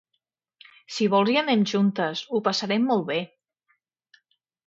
si vols, hi anem juntes, ho passarem molt be.